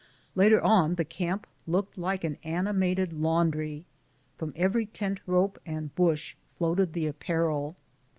Later on the camp looked like an animated laundry. From every tent rope and bush floated the apparel.